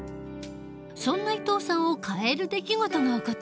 そんな伊藤さんを変える出来事が起こった。